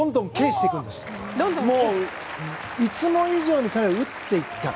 もう、いつも以上に彼は打っていった。